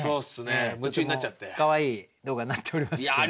かわいい動画になっておりましたけれども。